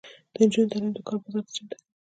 د نجونو تعلیم د کار بازار ته چمتو کوي.